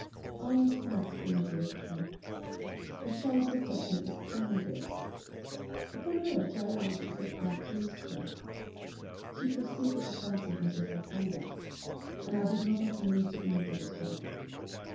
I, in fact, imitated her. The child looked at me astounded, upon which I asked if it had pleased her. She perceived the offensiveness of her conduct, and I did not often need to imitate her.